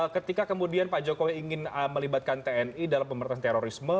ketika kemudian pak jokowi ingin melibatkan tni dalam pemerintahan terorisme